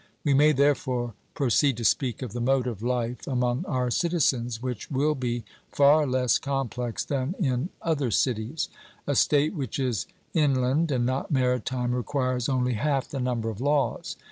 We may, therefore, proceed to speak of the mode of life among our citizens, which will be far less complex than in other cities; a state which is inland and not maritime requires only half the number of laws.